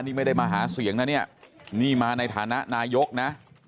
นี่ไม่ได้มาหาเสียงนะเนี่ยนี่มาในฐานะนายกนะ